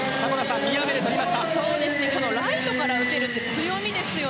ライトから打てるのは強みです。